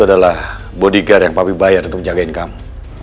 sayang itu adalah bodyguard yang papi bayar untuk jagain kamu